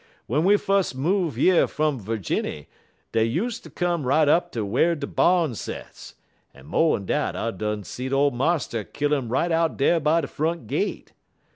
W'en we fus' move yer fum Ferginny, dey use ter come right up ter whar de barn sets, en mo'n dat I done seed ole marster kill um right out dar by de front gate.